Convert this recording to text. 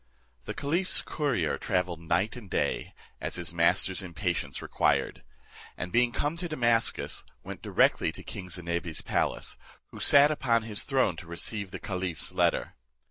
The caliph's courier travelled night and day, as his master's impatience required; and being come to Damascus, went directly to king Zinebi's palace, who sat upon his throne to receive the caliph's letter.